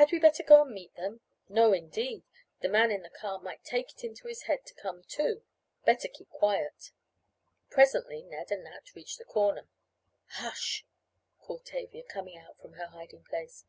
"Had we better go and meet them?" "No, indeed, the man in the car might take it into his head to come to. Better keep quiet." Presently Ned and Nat reached the corner. "Hush," called Tavia, coming out from her hiding place.